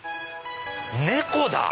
猫だ。